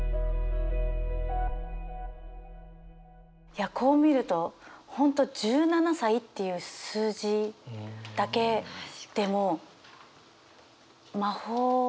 いやこう見ると本当「十七歳」っていう数字だけでも魔法だなって。